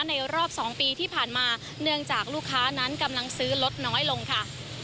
รอบ๒ปีที่ผ่านมาเนื่องจากลูกค้านั้นกำลังซื้อลดน้อยลงค่ะ